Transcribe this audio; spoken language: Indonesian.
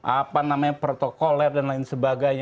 apa namanya protokoler dan lain sebagainya